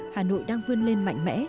hà nội đang vươn lên mạnh mẽ